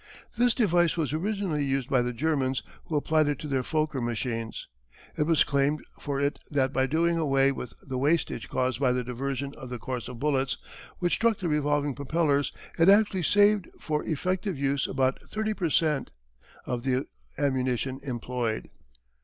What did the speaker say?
This device was originally used by the Germans who applied it to their Fokker machines. It was claimed for it that by doing away with the wastage caused by the diversion of the course of bullets, which struck the revolving propellers, it actually saved for effective use about thirty per cent. of the ammunition employed.